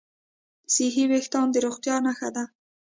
صحي وېښتيان د روغتیا نښه ده.